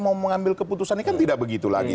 mau mengambil keputusan ini kan tidak begitu lagi